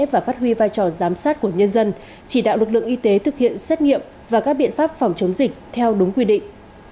và phát huy vai trò giám sát của nhân dân chỉ đạo lực lượng y tế thực hiện xét nghiệm và các biện pháp phòng chống dịch theo đúng quy định